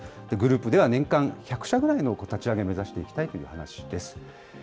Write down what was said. グループでは年間１００社ぐらいの立ち上げを目指していきたいという話です。